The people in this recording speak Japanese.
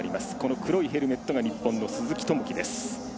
黒いヘルメットが日本の鈴木朋樹です。